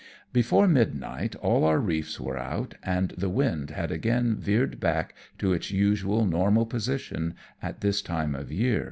Before midnight all our reefs were out, and the wind had again veered back to its usual normal position at this time of the year.